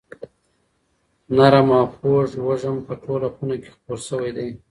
نرم او خوږ وږم په ټوله خونه کې خپور شوی دی.